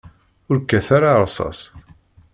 Ur kkat ara ṛṛṣaṣ!